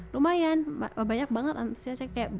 lumayan banyak banget antusiasnya